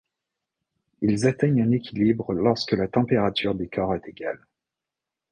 Ils atteignent un équilibre lorsque la température des corps est égale.